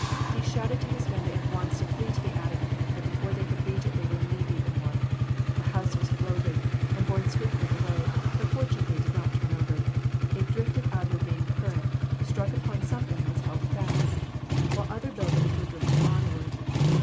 He shouted to his family at once to flee to the attic, but, before they could reach it they were knee deep in water. The house was floated, and borne swiftly away, but fortunately did not turn over. It drifted out of the main current, struck upon something, and was held fast, while other buildings were drifted onward.